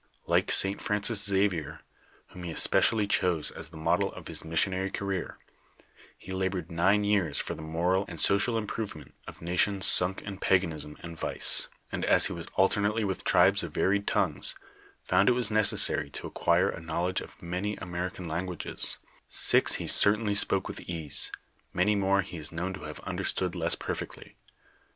Like St. Francis Xavier, whom he especially chose as the model of his missionary career, he labored nine years for the moral and social improvement of nations sunk in paganism and vice, and as he was alternately with tribes of varied tongues, found it was necessary to acquire a knowledge of many American languages ; six he certaihly spoke with ease; many more he is known to have understood less perfectly.